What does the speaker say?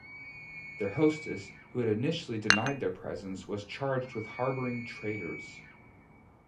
Their hostess, who had initially denied their presence, was charged with harbouring traitors.